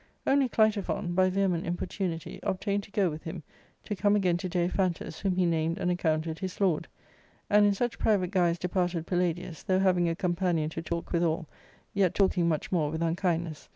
Only Qitophon, by vehement importunity, obtained to go with him, to come again to Daiphantus, whom he named and accounted his lord. And in such private guise departed Palladius, though having a companion to talk withal, yet talking much more with unkindness.